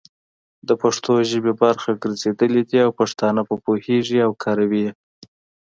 د پښتو ژبې برخه ګرځېدلي دي او پښتانه په پوهيږي او کاروي يې،